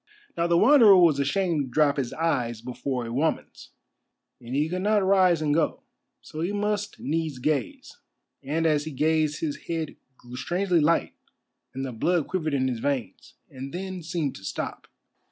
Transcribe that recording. Now the Wanderer was ashamed to drop his eyes before a woman's, and he could not rise and go; so he must needs gaze, and as he gazed his head grew strangely light and the blood quivered in his veins, and then seemed to stop.